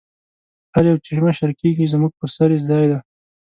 هر یو چې مشر کېږي زموږ پر سر یې ځای دی.